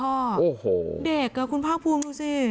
โอ้โหเด็กคุณภาคภูมิดูสิ